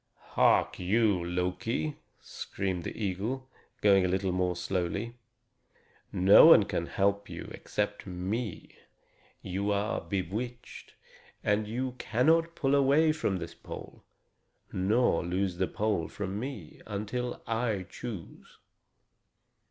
"Hark you, Loki," screamed the eagle, going a little more slowly; "no one can help you except me. You are bewitched, and you cannot pull away from this pole, nor loose the pole from me, until I choose.